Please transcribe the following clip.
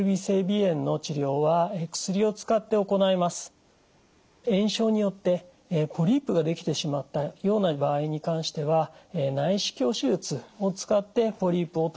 炎症によってポリープが出来てしまったような場合に関しては内視鏡手術を使ってポリープを取り除くこともできます。